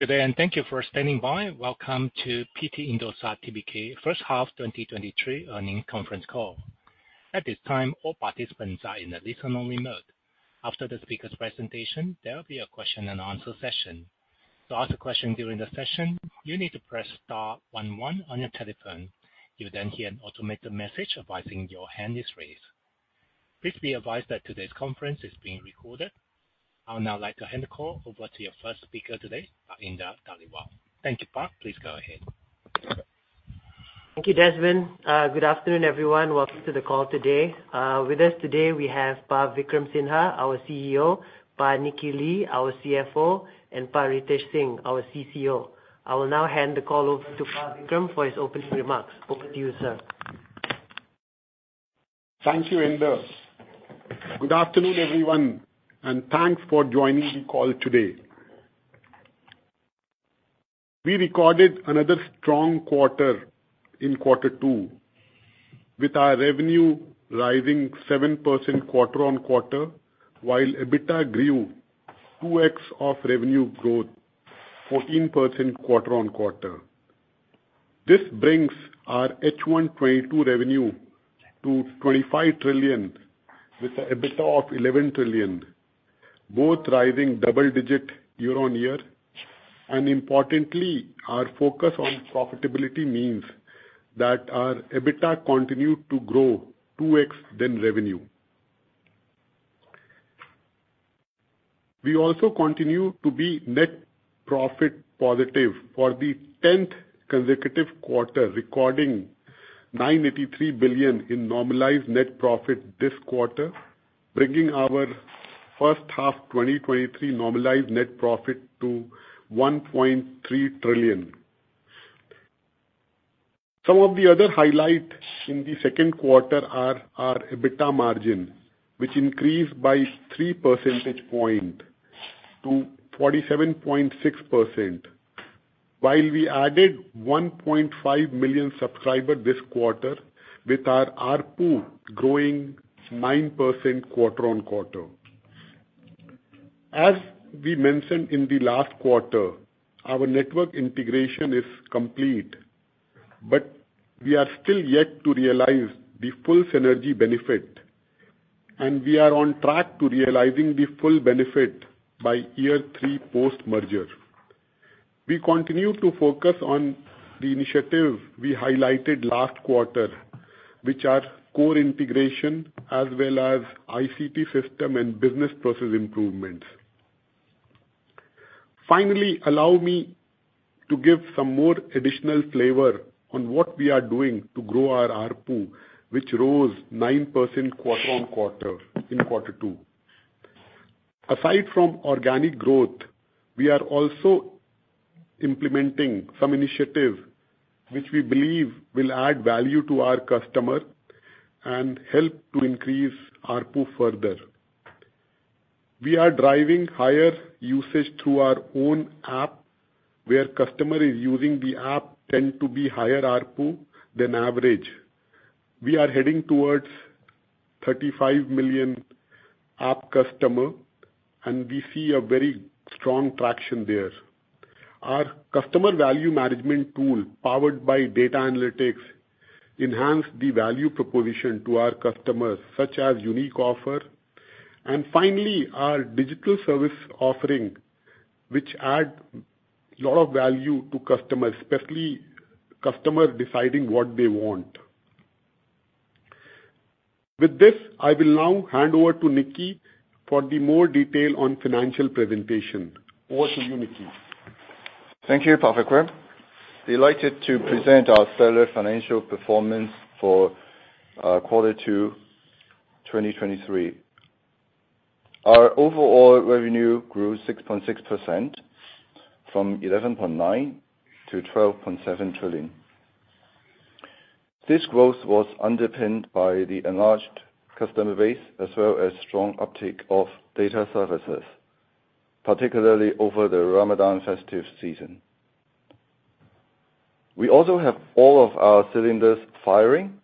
Good day. Thank you for standing by. Welcome to PT Indosat Tbk first half 2023 earnings conference call. At this time, all participants are in a listen-only mode. After the speaker's presentation, there will be a question and answer session. To ask a question during the session, you need to press star one one on your telephone. You'll hear an automated message advising your hand is raised. Please be advised that today's conference is being recorded. I would now like to hand the call over to your first speaker today, Indar Dhaliwal. Thank you, Indar. Please go ahead. Thank you, Desmond. Good afternoon, everyone. Welcome to the call today. With us today we have Pak Vikram Sinha, our CEO, Pak Nicky Lee, our CFO, and Pak Ritesh Singh, our CCO. I will now hand the call over to Pak Vikram for his opening remarks. Over to you, sir. Thank you, Indar. Good afternoon, everyone, thanks for joining the call today. We recorded another strong quarter in quarter two, with our revenue rising 7% quarter-on-quarter, while EBITDA grew 2x of revenue growth, 14% quarter-on-quarter. This brings our H1 2022 revenue to 25 trillion, with a EBITDA of 11 trillion, both rising double-digit year-on-year. Importantly, our focus on profitability means that our EBITDA continued to grow 2x than revenue. We also continue to be net profit positive for the 10th consecutive quarter, recording 983 billion in normalized net profit this quarter, bringing our H1 2023 normalized net profit to 1.3 trillion. Some of the other highlights in the second quarter are our EBITDA margin, which increased by 3 percentage point to 47.6%, while we added 1.5 million subscribers this quarter, with our ARPU growing 9% quarter-on-quarter. As we mentioned in the last quarter, our network integration is complete, but we are still yet to realize the full synergy benefit, and we are on track to realizing the full benefit by year three post-merger. We continue to focus on the initiative we highlighted last quarter, which are core integration as well as ICT system and business process improvements. Finally, allow me to give some more additional flavor on what we are doing to grow our ARPU, which rose 9% quarter-on-quarter in quarter two. Aside from organic growth, we are also implementing some initiative which we believe will add value to our customer and help to increase ARPU further. We are driving higher usage through our own app, where customer is using the app tend to be higher ARPU than average. We are heading towards 35 million app customer, and we see a very strong traction there. Our customer value management tool, powered by data analytics, enhance the value proposition to our customers, such as unique offer. Finally, our digital service offering, which add a lot of value to customers, especially customers deciding what they want. With this, I will now hand over to Nicky for the more detail on financial presentation. Over to you, Nicky. Thank you, Pak Vikram. Delighted to present our stellar financial performance for quarter two, 2023. Our overall revenue grew 6.6%, from 11.9 trillion to 12.7 trillion. This growth was underpinned by the enlarged customer base, as well as strong uptake of data services, particularly over the Ramadan festive season. We also have all of our cylinders firing,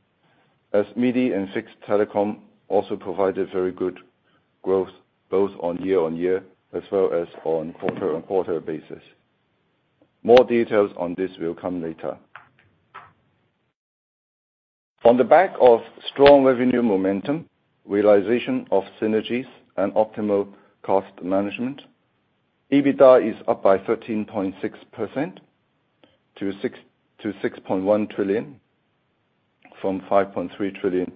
as MIDI and Fixed Telecom also provided very good growth, both on year-on-year as well as on quarter-on-quarter basis. More details on this will come later. On the back of strong revenue momentum, realization of synergies and optimal cost management, EBITDA is up by 13.6% to 6.1 trillion from 5.3 trillion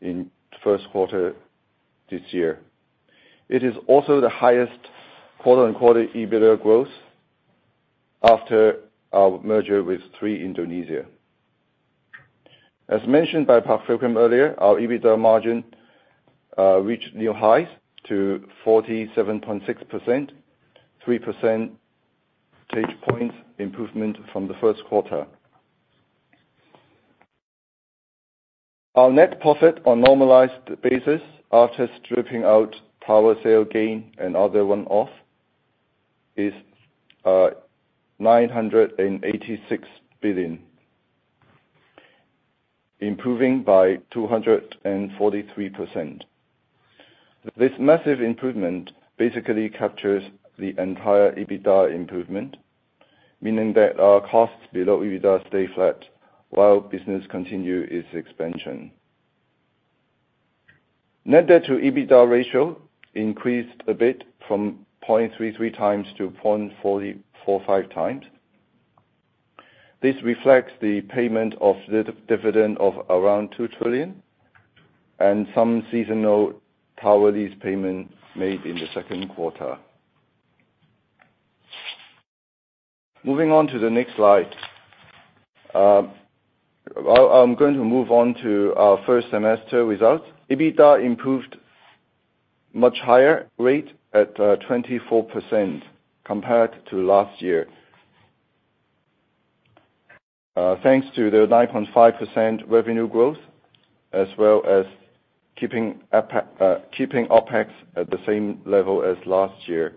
in first quarter this year. It is also the highest quarter-on-quarter EBITDA growth after our merger with Three Indonesia. As mentioned by Pak Vikram earlier, our EBITDA margin reached new highs to 47.6%, 3 percent stage point improvement from the first quarter. Our net profit on normalized basis, after stripping out tower sale gain and other one-off, is IDR 986 billion. improving by 243%. This massive improvement basically captures the entire EBITDA improvement, meaning that our costs below EBITDA stay flat while business continue its expansion. Net Debt to EBITDA ratio increased a bit from 0.33 times to 0.445 times. This reflects the payment of the dividend of around 2 trillion and some seasonal tower lease payment made in the second quarter. Moving on to the next slide. Well, I'm going to move on to our first semester results. EBITDA improved much higher rate at 24% compared to last year, thanks to the 9.5% revenue growth, as well as keeping OpEx at the same level as last year.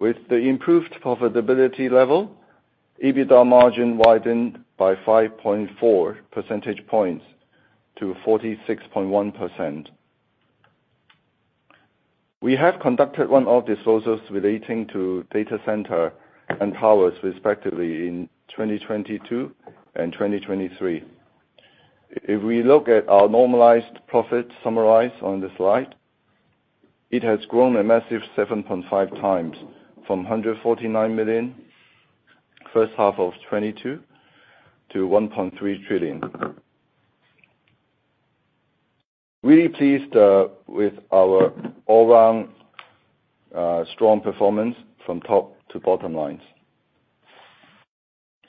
With the improved profitability level, EBITDA margin widened by 5.4 percentage points to 46.1%. We have conducted one-off resources relating to data center and towers, respectively, in 2022 and 2023. If we look at our normalized profit summarized on the slide, it has grown a massive 7.5 times from 149 million, first half of 2022, to 1.3 trillion. Really pleased with our all-around strong performance from top to bottom lines.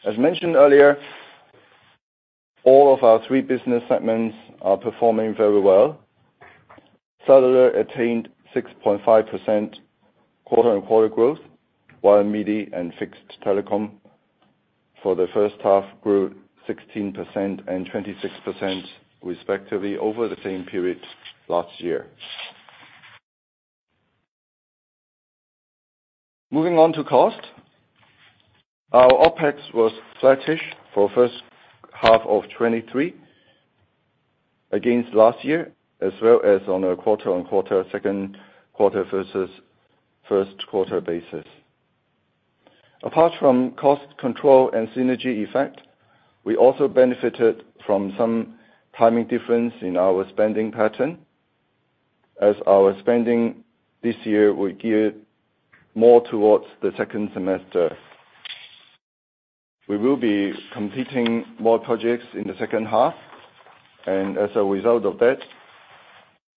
As mentioned earlier, all of our three business segments are performing very well. Cellular attained 6.5% quarter-on-quarter growth, while Media and Fixed Telecom for the first half grew 16% and 26%, respectively, over the same period last year. Moving on to cost. Our OpEx was flattish for first half of 2023 against last year, as well as on a quarter-on-quarter, second quarter versus first quarter basis. Apart from cost control and synergy effect, we also benefited from some timing difference in our spending pattern, as our spending this year will gear more towards the second semester. We will be completing more projects in the second half, and as a result of that,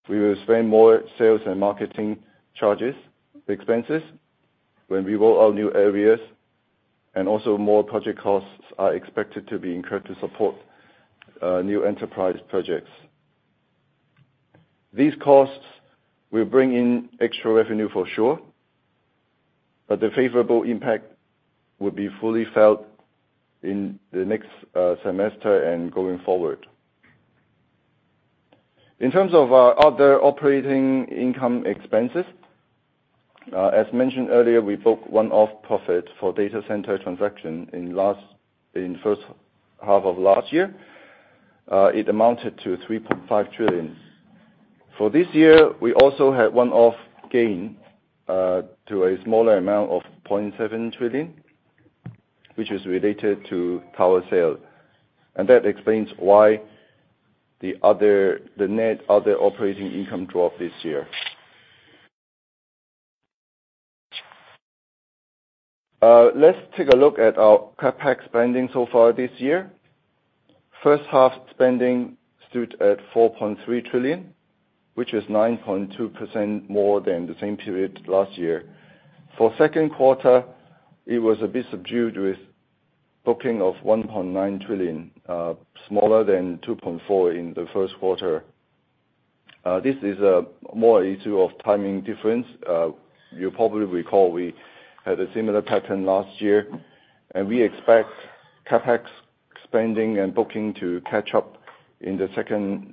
we will spend more sales and marketing charges, expenses, when we roll out new areas, and also more project costs are expected to be incurred to support new enterprise projects. These costs will bring in extra revenue for sure, but the favorable impact will be fully felt in the next semester and going forward. In terms of our other operating income expenses, as mentioned earlier, we booked one-off profit for data center transaction in first half of last year. It amounted to 3.5 trillion. For this year, we also had one-off gain to a smaller amount of 0.7 trillion, which is related to power sale. That explains why the other, the net other operating income dropped this year. Let's take a look at our CapEx spending so far this year. First half spending stood at 4.3 trillion, which is 9.2% more than the same period last year. For second quarter, it was a bit subdued, with booking of 1.9 trillion, smaller than 2.4 in the first quarter. This is more an issue of timing difference. You probably recall we had a similar pattern last year, we expect CapEx spending and booking to catch up in the second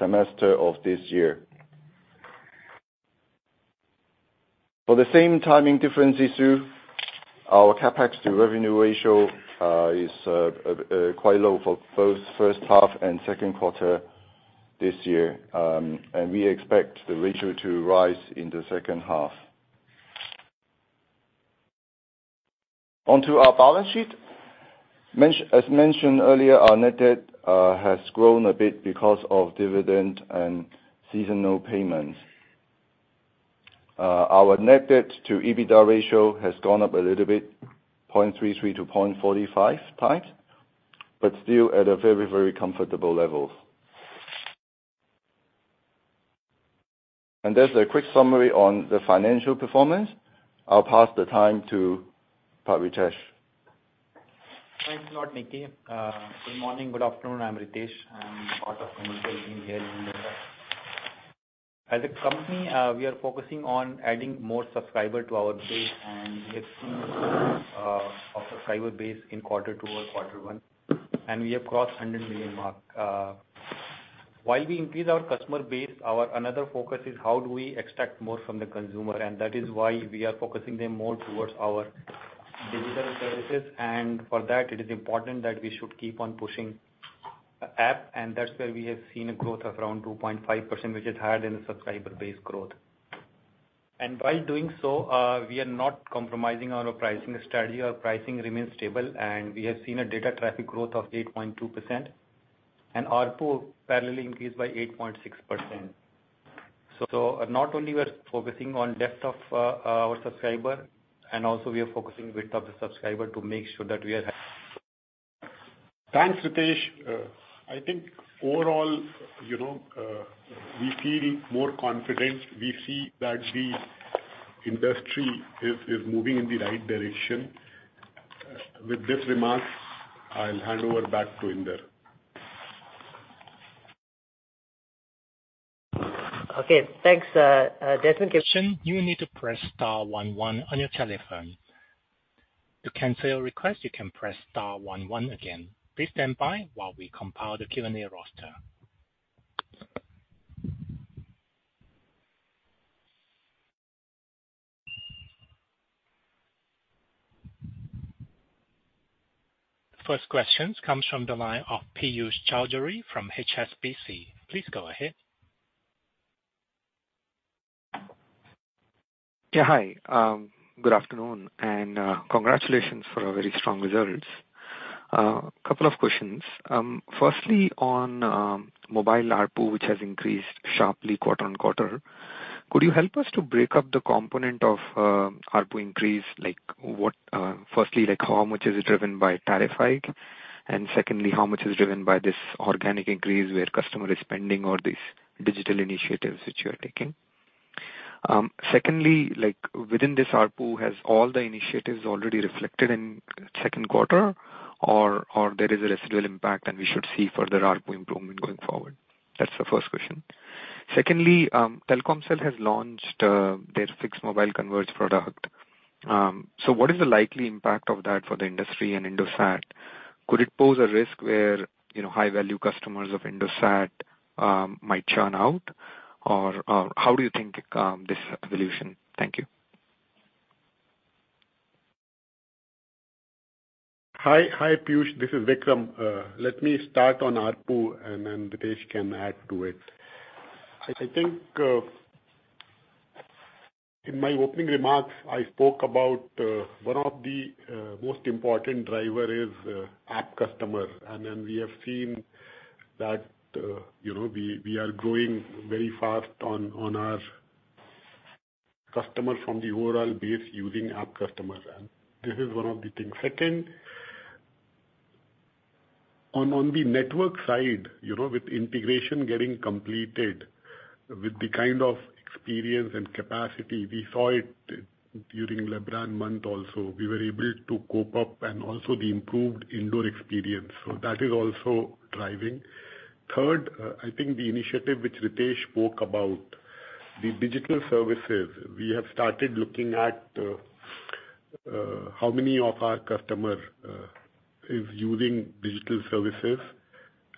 semester of this year. For the same timing difference issue, our CapEx to revenue ratio is quite low for both first half and second quarter this year. We expect the ratio to rise in the second half. On to our balance sheet. As mentioned earlier, our net debt has grown a bit because of dividend and seasonal payments. Our net debt to EBITDA ratio has gone up a little bit, 0.33 to 0.45 times, but still at a very, very comfortable level. That's a quick summary on the financial performance. I'll pass the time to Ritesh. Thanks a lot, Nicky. Good morning, good afternoon. I'm Ritesh, I'm part of the team here in India. As a company, we are focusing on adding more subscriber to our base, and we have seen our subscriber base in quarter two over quarter one, and we have crossed 100 million mark. While we increase our customer base, our another focus is how do we extract more from the consumer? That is why we are focusing them more towards our digital services. For that, it is important that we should keep on pushing the app, and that's where we have seen a growth of around 2.5%, which is higher than the subscriber base growth. While doing so, we are not compromising on our pricing strategy. Our pricing remains stable, we have seen a data traffic growth of 8.2%, and ARPU parallelly increased by 8.6%. Not only we are focusing on depth of our subscriber, and also we are focusing width of the subscriber to make sure that we are. Thanks, Ritesh. I think overall, you know, we're feeling more confident. We see that the industry is, is moving in the right direction. With this remarks, I'll hand over back to Indar. Okay. Thanks, Vikram. You need to press star one one on your telephone. To cancel your request, you can press star one one again. Please stand by while we compile the Q&A roster. First questions comes from the line of Piyush Choudhary from HSBC. Please go ahead. Yeah, hi. Good afternoon, and congratulations for a very strong results. A couple of questions. Firstly, on mobile ARPU, which has increased sharply quarter-on-quarter, could you help us to break up the component of ARPU increase? What, firstly, how much is it driven by tariff hike, and secondly, how much is driven by this organic increase, where customer is spending or these digital initiatives which you are taking? Secondly, within this ARPU, has all the initiatives already reflected in second quarter, or there is a residual impact, and we should see further ARPU improvement going forward? That's the first question. Secondly, Telkomsel has launched their fixed mobile converged product. What is the likely impact of that for the industry and Indosat? Could it pose a risk where, you know, high-value customers of Indosat might churn out, or, or how do you think this evolution? Thank you. Hi. Hi, Piyush, this is Vikram. Let me start on ARPU, and then Ritesh can add to it. I, I think, in my opening remarks, I spoke about, one of the most important driver is, app customer. We have seen that, you know, we, we are growing very fast on, on our customers from the overall base using app customers, and this is one of the things. Second, on, on the network side, you know, with integration getting completed, with the kind of experience and capacity, we saw it during Lebaran month also. We were able to cope up, and also the improved indoor experience, so that is also driving. Third, I think the initiative which Ritesh spoke about, the digital services. We have started looking at how many of our customer is using digital services,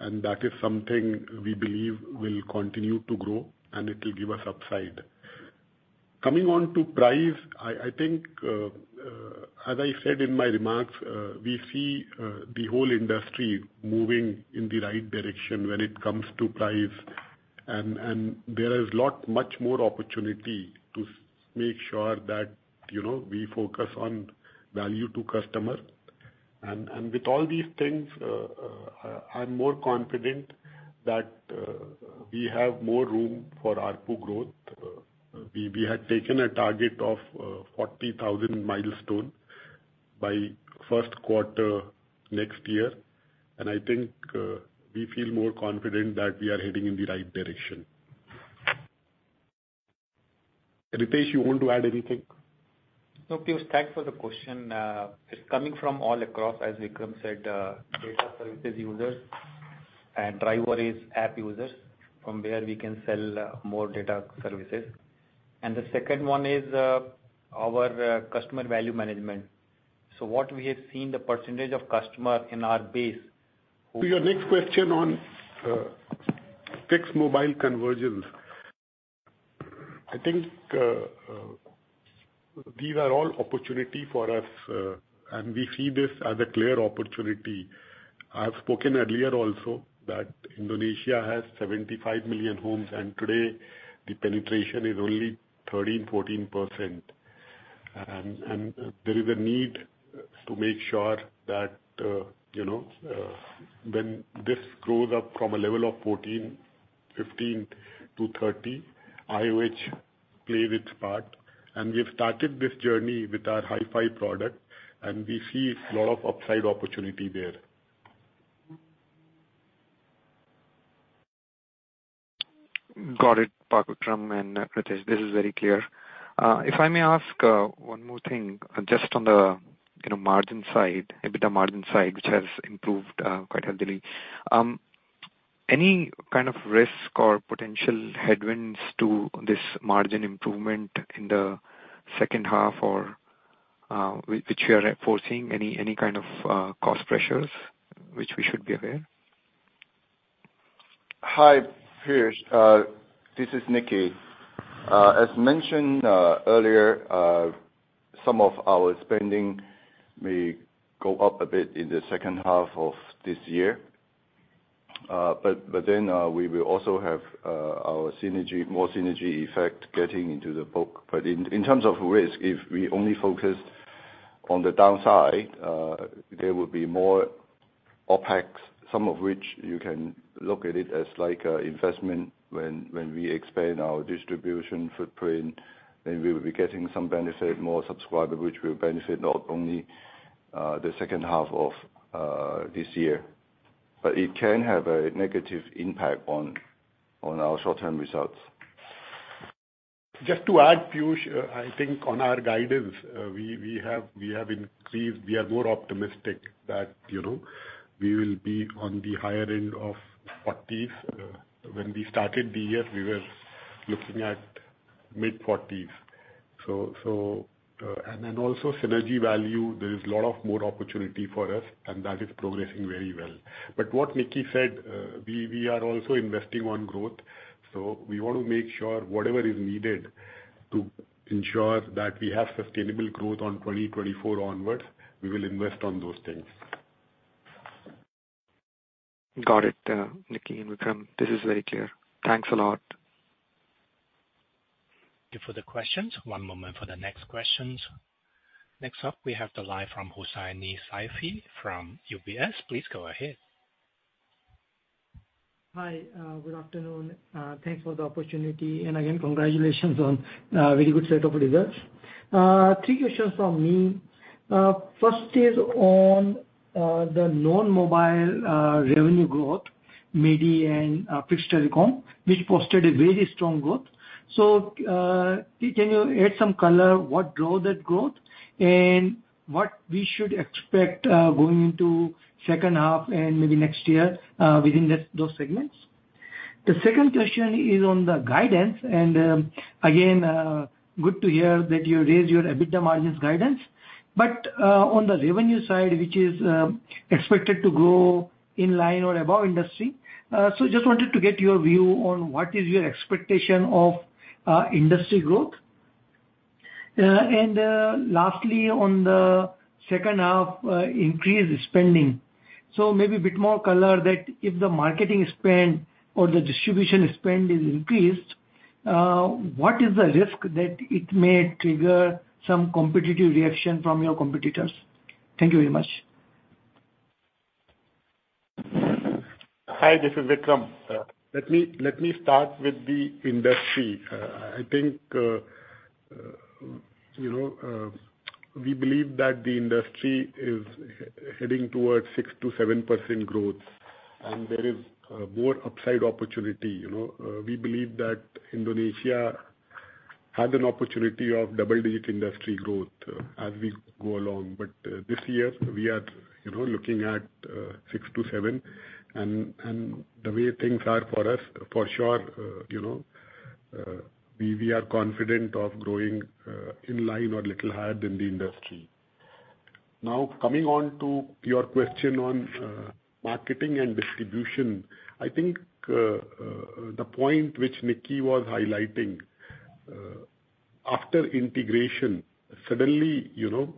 and that is something we believe will continue to grow, and it will give us upside. Coming on to price, I, I think, as I said in my remarks, we see the whole industry moving in the right direction when it comes to price. There is lot, much more opportunity to make sure that, you know, we focus on value to customer. With all these things, I, I'm more confident that we have more room for ARPU growth. We, we had taken a target of 40,000 milestone by first quarter next year. I think we feel more confident that we are heading in the right direction. Ritesh, you want to add anything? No, Piyush, thanks for the question. It's coming from all across, as Vikram said, data services users, and driver is app users, from where we can sell, more data services. The second one is, our, customer value management. What we have seen, the % of customer in our base. To your next question on fixed mobile convergence. I think these are all opportunity for us, and we see this as a clear opportunity. I have spoken earlier also that Indonesia has 75 million homes, and today the penetration is only 13%, 14%. There is a need to make sure that, you know, when this grows up from a level of 14, 15 to 30, IOH play its part. We've started this journey with our HiFi product, and we see a lot of upside opportunity there. Got it, Vikram and Ritesh. This is very clear. If I may ask one more thing, just on the, you know, margin side, EBITDA margin side, which has improved quite healthily. Any kind of risk or potential headwinds to this margin improvement in the second half which you are foreseeing, any kind of cost pressures which we should be aware? Hi, Piyush, this is Nicky. As mentioned, earlier, some of our spending may go up a bit in the second half of this year. Then, we will also have, our synergy, more synergy effect getting into the book. In terms of risk, if we only focus on the downside, there will be more OpEx, some of which you can look at it as like a investment when we expand our distribution footprint, then we will be getting some benefit, more subscriber, which will benefit not only, the second half of, this year, but it can have a negative impact on our short-term results. Just to add, Piyush, I think on our guidance, we have increased. We are more optimistic that, you know, we will be on the higher end of forties. When we started the year, we were looking at mid-forties. Then also synergy value, there is a lot of more opportunity for us, and that is progressing very well. What Nicky said, we are also investing on growth, so we want to make sure whatever is needed to ensure that we have sustainable growth on 2024 onwards, we will invest on those things. Got it, Nicky and Vikram. This is very clear. Thanks a lot. Thank you for the questions. One moment for the next questions. Next up, we have the line from Hussaini Saifee from UBS. Please go ahead. Hi, good afternoon. Thanks for the opportunity, and again, congratulations on a very good set of results. Three questions from me. First is on the non-mobile revenue growth, MIDI and Fixed Telecom, which posted a very strong growth. Can you add some color, what drove that growth? What we should expect going into 2nd half and maybe next year within this- those segments? The 2nd question is on the guidance, again, good to hear that you raised your EBITDA margins guidance. On the revenue side, which is expected to grow in line or above industry. Just wanted to get your view on what is your expectation of industry growth. Lastly, on the 2nd half, increased spending. Maybe a bit more color that if the marketing spend or the distribution spend is increased, what is the risk that it may trigger some competitive reaction from your competitors? Thank you very much. Hi, this is Vikram. Let me, let me start with the industry. I think, you know, we believe that the industry is heading towards 6%-7% growth, there is more upside opportunity, you know. We believe that Indonesia has an opportunity of double-digit industry growth as we go along. This year, we are, you know, looking at 6%-7%, and the way things are for us, for sure, you know, we are confident of growing in line or little higher than the industry. Now, coming on to your question on marketing and distribution, I think, the point which Nicky was highlighting, after integration, suddenly, you know,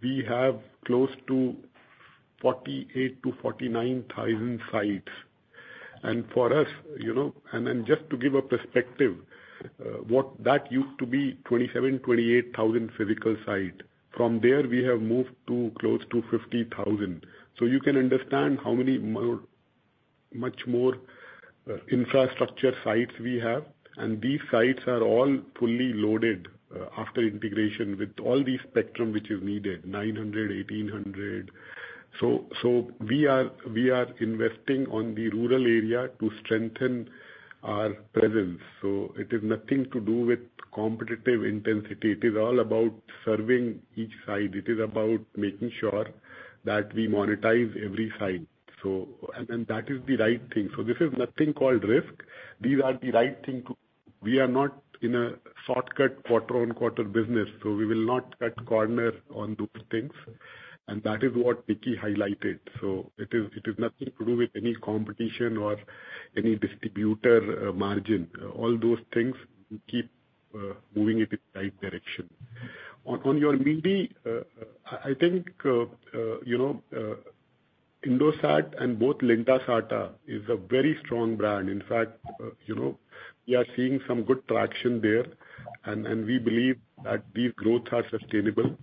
we have close to 48,000-49,000 sites. For us, you know. Then just to give a perspective, what that used to be 27,000-28,000 physical site. From there, we have moved to close to 50,000. You can understand how many more, much more, infrastructure sites we have, and these sites are all fully loaded, after integration with all the spectrum which is needed, 900, 1,800. So we are, we are investing on the rural area to strengthen our presence, so it is nothing to do with competitive intensity. It is all about serving each site. It is about making sure that we monetize every site. And, and that is the right thing. This is nothing called risk. These are the right thing to... We are not in a shortcut, quarter-on-quarter business, so we will not cut corner on those things, and that is what Nicky highlighted. It is, it is nothing to do with any competition or any distributor, margin. All those things, we keep moving it in the right direction. On your MIDI, I think, you know, Indosat and both Mentari is a very strong brand. In fact, you know, we are seeing some good traction there, and we believe that these growth are sustainable.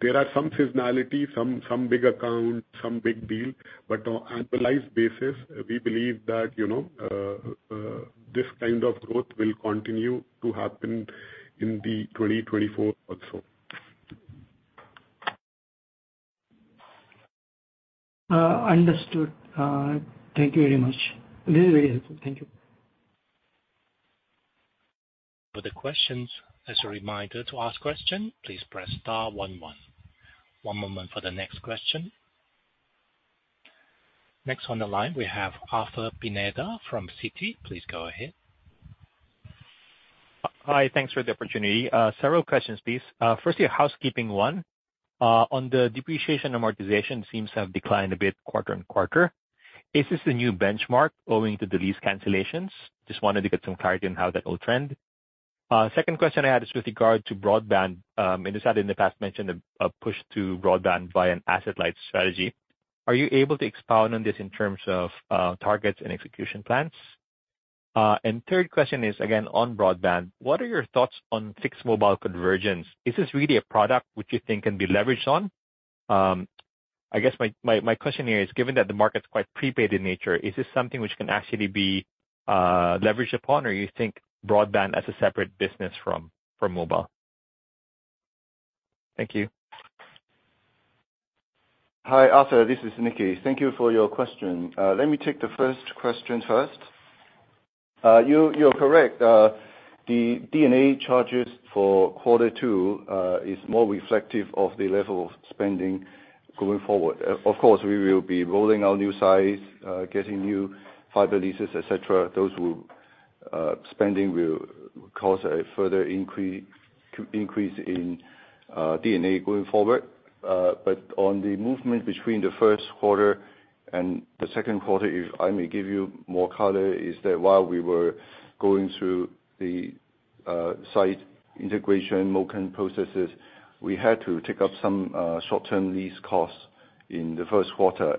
There are some seasonality, some, some big accounts, some big deal, but on annualized basis, we believe that, you know, this kind of growth will continue to happen in 2024 also. Understood. Thank you very much. This is very helpful. Thank you. For the questions. As a reminder, to ask question, please press star one, one. One moment for the next question. Next on the line, we have Arthur Pineda from Citi. Please go ahead. Hi, thanks for the opportunity. Several questions, please. Firstly, a housekeeping one. On the depreciation, amortization seems to have declined a bit quarter-on-quarter. Is this a new benchmark owing to the lease cancellations? Just wanted to get some clarity on how that will trend. Second question I had is with regard to broadband. Indosat in the past mentioned a push to broadband via an asset-light strategy. Are you able to expound on this in terms of targets and execution plans? Third question is, again, on broadband. What are your thoughts on fixed mobile convergence? Is this really a product which you think can be leveraged on? I guess my, my, my question here is, given that the market's quite prepaid in nature, is this something which can actually be leveraged upon, or you think broadband as a separate business from, from mobile? Thank you. Hi, Arthur, this is Nicky. Thank you for your question. Let me take the first question first. You, you're correct. The D&A charges for quarter two is more reflective of the level of spending going forward. Of course, we will be rolling out new sites, getting new fiber leases, et cetera. Those will... Spending will cause a further increase in D&A going forward. On the movement between the first quarter and the second quarter, if I may give you more color, is that while we were going through the site integration, moving processes, we had to take up some short-term lease costs in the first quarter.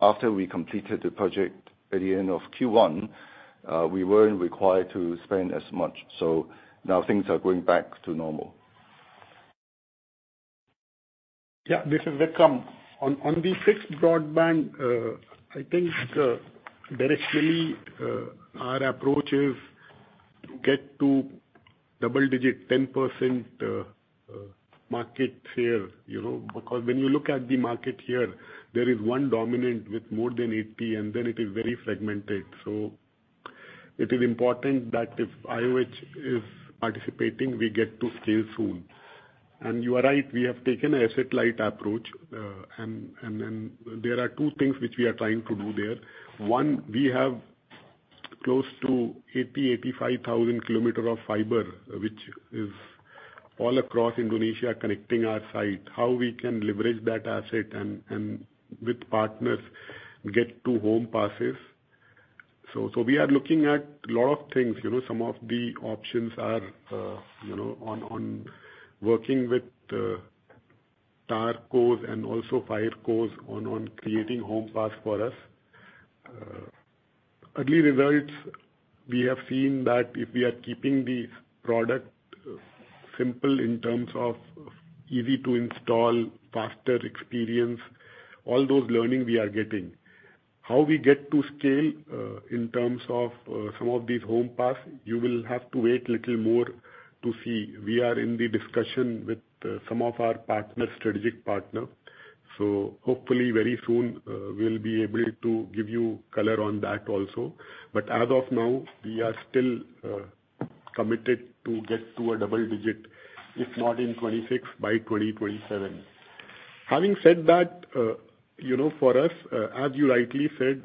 After we completed the project at the end of Q1, we weren't required to spend as much, so now things are going back to normal. Yeah, this is Vikram. On, on the fixed broadband, I think, directionally, our approach is to get to double-digit, 10% market share, you know, because when you look at the market here, there is one dominant with more than 80, and then it is very fragmented. It is important that if IOH is participating, we get to scale soon. You are right, we have taken an asset-light approach. Then there are two things which we are trying to do there. One, we have close to 80,000-85,000 km of fiber, which is all across Indonesia, connecting our site, how we can leverage that asset and, and with partners, get to home passes. We are looking at a lot of things. You know, some of the options are, you know, on, on working with, towercos and also fibercos on, on creating home pass for us. Early results, we have seen that if we are keeping the product simple in terms of easy to install, faster experience, all those learning we are getting. How we get to scale, in terms of, some of these home passes, you will have to wait a little more to see. We are in the discussion with, some of our partner, strategic partner, so hopefully very soon, we'll be able to give you color on that also. As of now, we are still committed to get to a double-digit, if not in 2026, by 2027. Having said that, you know, for us, as you rightly said,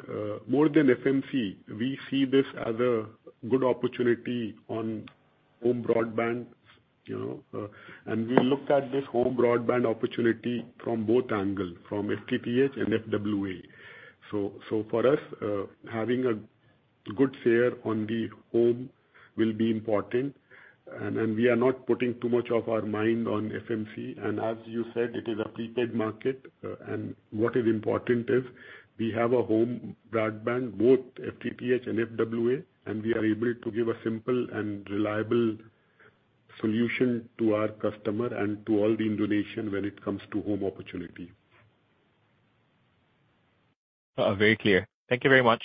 more than FMC, we see this as a good opportunity on home broadband, you know. We looked at this home broadband opportunity from both angles, from FTTH and FWA. For us, having a good share on the home will be important. We are not putting too much of our mind on FMC, and as you said, it is a prepaid market. What is important is we have a home broadband, both FTTH and FWA, and we are able to give a simple and reliable solution to our customer and to all the Indonesian when it comes to home opportunity. Very clear. Thank you very much.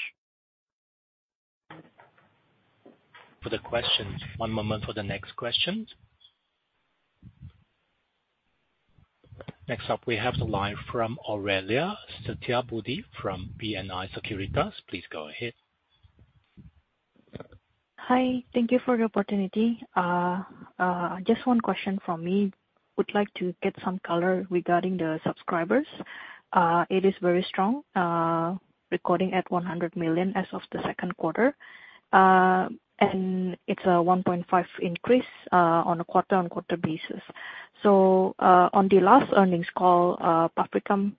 For the questions. One moment for the next questions. Next up, we have the line from Aurellia Setiabudi from BNI Sekuritas. Please go ahead. Hi. Thank you for the opportunity. Just one question from me. Would like to get some color regarding the subscribers. It is very strong, recording at 100 million as of the second quarter. It's a 1.5 increase on a quarter-on-quarter basis. On the last earnings call, Pak Vikram,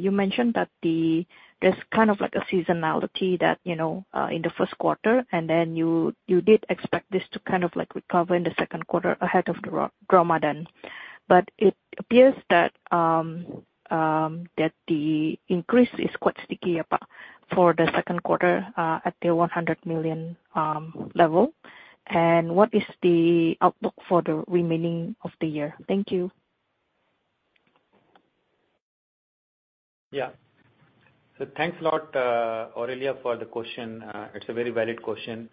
you mentioned that the... There's kind of like a seasonality that, you know, in the first quarter, and then you, you did expect this to kind of, like, recover in the second quarter ahead of the Ramadan. It appears that the increase is quite sticky for the second quarter, at the 100 million level. What is the outlook for the remaining of the year? Thank you. Yeah. Thanks a lot, Aurellia, for the question. It's a very valid question,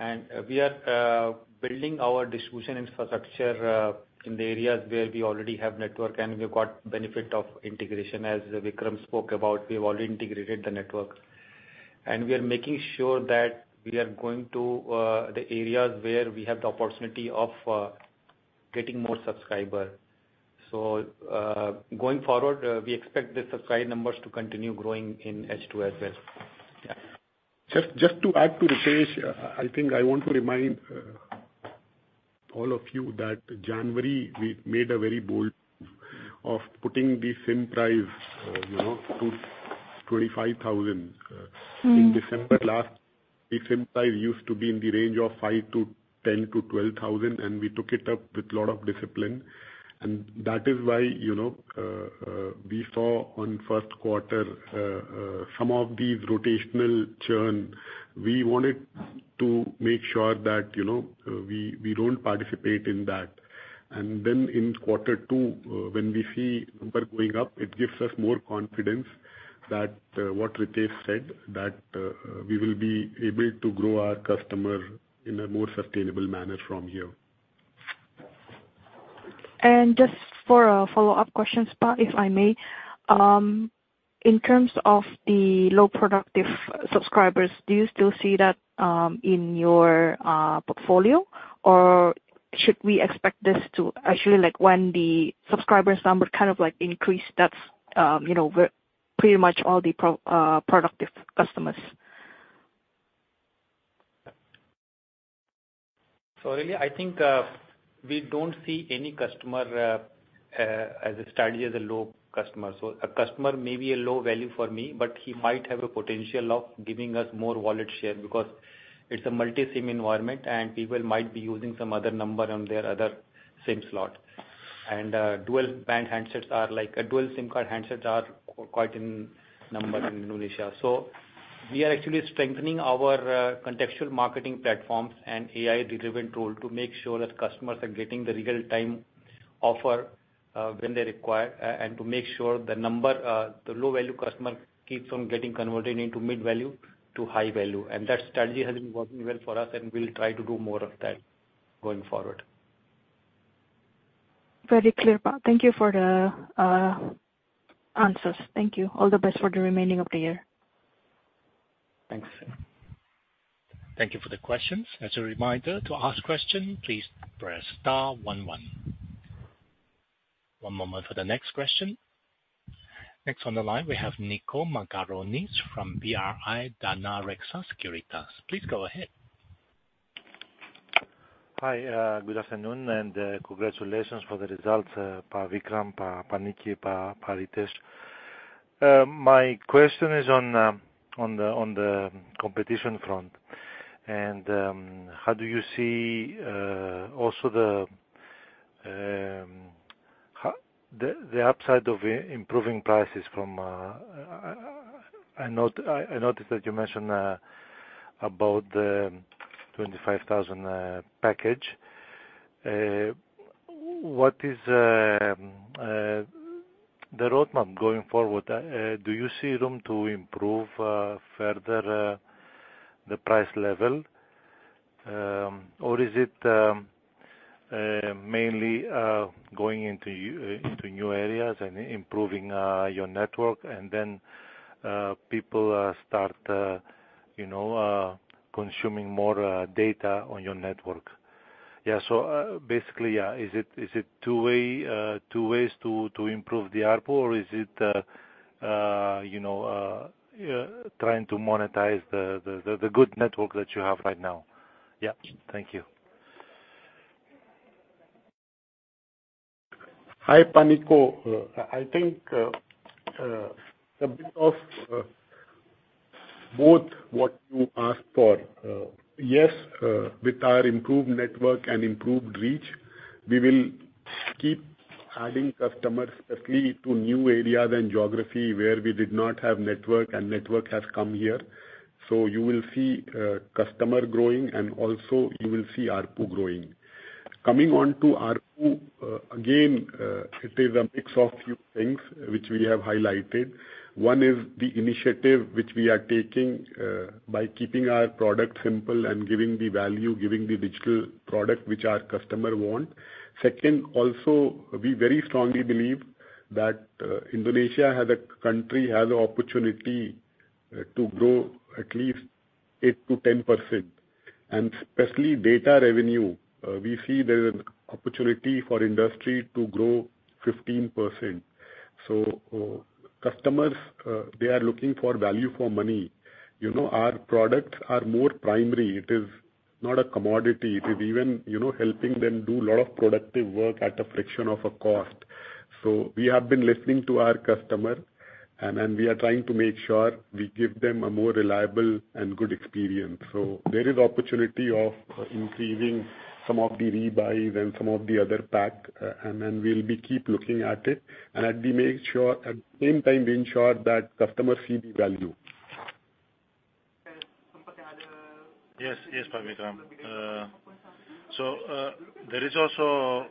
and we are building our distribution infrastructure in the areas where we already have network, and we've got benefit of integration. As Vikram spoke about, we have already integrated the network and we are making sure that we are going to the areas where we have the opportunity of getting more subscriber. Going forward, we expect the subscriber numbers to continue growing in H2 as well. Yeah. Just, just to add to Ritesh, I think I want to remind, all of you that January, we made a very bold move of putting the same price, you know, to 25,000. In December last, the same price used to be in the range of 5,000 to 10,000 to 12,000, and we took it up with a lot of discipline. That is why, you know, we saw on first quarter, some of these rotational churn. We wanted to make sure that, you know, we, we don't participate in that. Then in quarter two, when we see number going up, it gives us more confidence that, what Ritesh said, that, we will be able to grow our customer in a more sustainable manner from here. Just for a follow-up question, Pak, if I may. In terms of the low productive subscribers, do you still see that in your portfolio, or should we expect this to... Actually, like, when the subscribers number kind of, like, increase, that's, you know, we're pretty much all the productive customers? Really, I think, we don't see any customer, as a strategy, as a low customer. A customer may be a low value for me, but he might have a potential of giving us more wallet share because it's a multi-SIM environment, and people might be using some other number on their other SIM slot. Dual-band handsets are like, a dual SIM card handsets are quite in number in Indonesia. We are actually strengthening our contextual marketing platforms and AI-driven tool to make sure that customers are getting the real time offer, when they require, and to make sure the number, the low-value customer keeps on getting converted into mid-value to high value. That strategy has been working well for us, and we'll try to do more of that going forward. Very clear, Pak. Thank you for the answers. Thank you. All the best for the remaining of the year. Thanks. Thank you for the questions. As a reminder, to ask question, please press star one, one. One moment for the next question. Next on the line, we have Niko Margaronis from BRI Danareksa Sekuritas. Please go ahead. Hi, good afternoon, and congratulations for the results, Pak Vikram, Pak Nicky, Pak Ritesh. My question is on the competition front. How do you see also the upside of improving prices from, I note, I noticed that you mentioned about the 25,000 package? What is the roadmap going forward? Do you see room to improve further the price level? Or is it mainly going into new areas and improving your network, and then people start, you know, consuming more data on your network? Yeah, basically, yeah, is it, is it two way, two ways to, to improve the ARPU, or is it, you know, trying to monetize the, the, the, the good network that you have right now? Yeah. Thank you. Hi, Pak Niko. I think a bit of both what you asked for. Yes, with our improved network and improved reach, we will keep adding customers, especially to new areas and geography, where we did not have network, and network has come here. You will see customer growing, and also you will see ARPU growing. Coming on to ARPU, it is a mix of few things which we have highlighted. One is the initiative, which we are taking by keeping our product simple and giving the value, giving the digital product which our customer want. Second, also, we very strongly believe that Indonesia as a country, has the opportunity to grow at least 8%-10%, and especially data revenue, we see there is an opportunity for industry to grow 15%. Customers, they are looking for value for money. You know, our products are more primary. It is not a commodity. It is even, you know, helping them do a lot of productive work at a fraction of a cost. We have been listening to our customer, and we are trying to make sure we give them a more reliable and good experience. There is opportunity of increasing some of the rebuy and some of the other pack, and then we'll be keep looking at it. We make sure, at the same time, we ensure that customers see the value. Yes. Yes, Pak Vikram. There is also,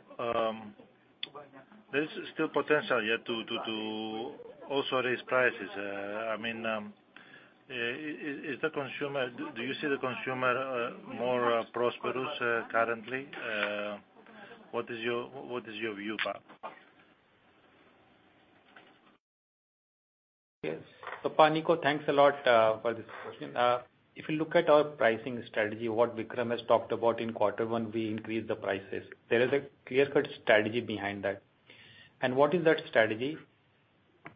there is still potential here to also raise prices. I mean, is the consumer-- Do, do you see the consumer, more prosperous, currently? What is your, what is your view, Pa? Yes. Pak Niko, thanks a lot for this question. If you look at our pricing strategy, what Vikram has talked about in quarter one, we increased the prices. There is a clear-cut strategy behind that. What is that strategy?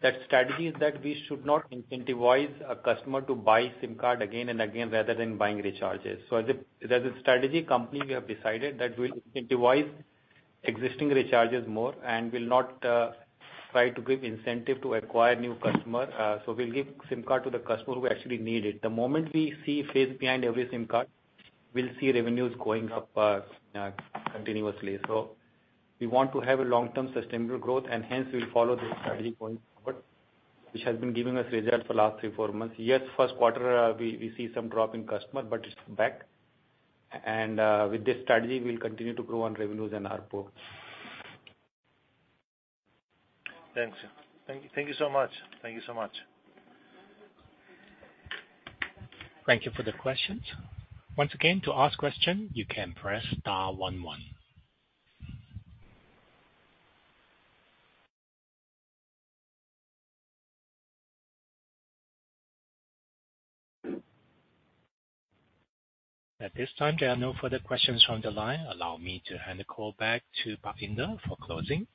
That strategy is that we should not incentivize a customer to buy SIM card again and again, rather than buying recharges. As a, as a strategy company, we have decided that we'll incentivize existing recharges more, and we'll not try to give incentive to acquire new customer. We'll give SIM card to the customer who actually need it. The moment we see face behind every SIM card, we'll see revenues going up continuously. We want to have a long-term sustainable growth, and hence, we'll follow the strategy going forward, which has been giving us results for last three, four months. Yes, first quarter, we, we see some drop in customer, but it's back. With this strategy, we'll continue to grow on revenues and ARPU. Thanks. Thank, thank you so much. Thank you so much. Thank you for the questions. Once again, to ask question, you can press star one, one. At this time, there are no further questions from the line. Allow me to hand the call back to Pak Indar for closing.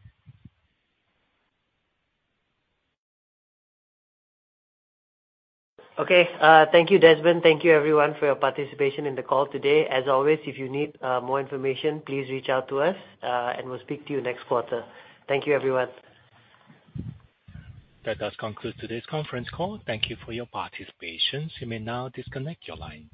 Okay. Thank you, Desmond. Thank you, everyone, for your participation in the call today. As always, if you need more information, please reach out to us, and we'll speak to you next quarter. Thank you, everyone. That does conclude today's conference call. Thank you for your participation. You may now disconnect your lines.